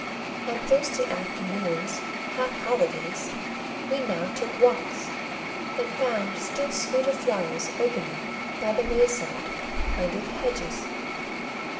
On Thursday afternoons (half holidays) we now took walks, and found still sweeter flowers opening by the wayside, under the hedges.